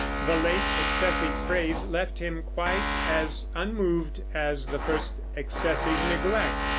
The late excessive praise left him quite as unmoved as the first excessive neglect.